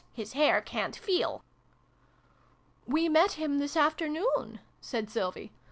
His hair ca'n't feel !"" We met him this afternoon," said Sylvie.